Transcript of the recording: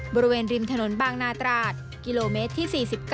บริเวณริมถนนบางนาตราดกิโลเมตรที่๔๙